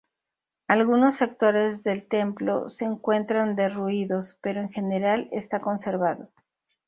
Algunos sectores del Templo se encuentran derruidos, pero en general está conservado.